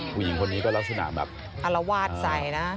ผู้หญิงและประหลาดใจนะ